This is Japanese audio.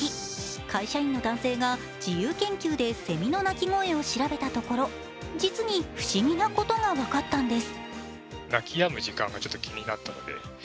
会社員の男性が自由研究でせみの鳴き声を調べたところ、実に不思議なことが分かったんです。